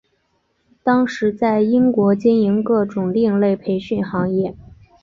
当时在英国经营各种另类培训行业。